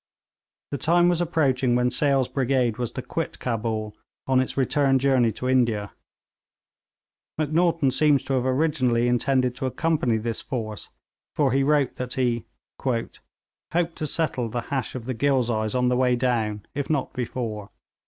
The time was approaching when Sale's brigade was to quit Cabul on its return journey to India. Macnaghten seems to have originally intended to accompany this force, for he wrote that he 'hoped to settle the hash of the Ghilzais on the way down, if not before.'